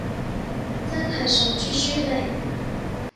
真係傻豬豬嚟